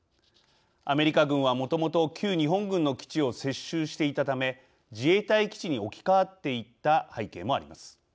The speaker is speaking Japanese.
アメリカ軍はもともと旧日本軍の基地を接収していたため自衛隊基地に置き換わっていった背景もあります。